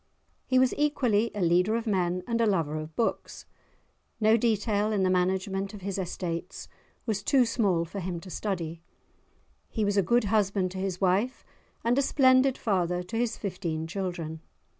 He was equally a leader of men and a lover of books; no detail in the management of his estates was too small for him to study; he was a good husband to his wife, and a splendid father to his fifteen children.